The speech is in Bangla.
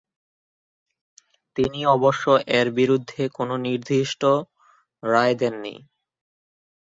তিনি অবশ্য এর বিরুদ্ধে কোনও নির্দিষ্ট রায় দেননি।